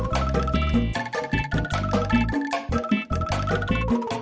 rata rata kesusahan itu menentukan andong